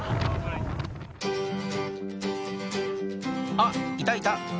あっいたいた！